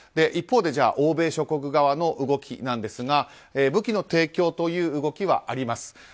一方で欧米諸国側の動きですが武器の提供という動きはあります。